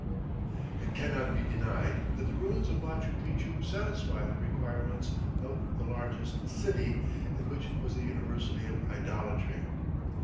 It cannot be denied that the ruins of Machu Picchu satisfy the requirements of "the largest city, in which was the University of Idolatry."